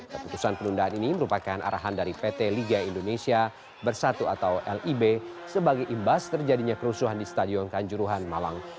keputusan penundaan ini merupakan arahan dari pt liga indonesia bersatu atau lib sebagai imbas terjadinya kerusuhan di stadion kanjuruhan malang